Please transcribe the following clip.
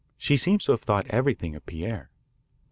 She seems to have thought everything of Pierre."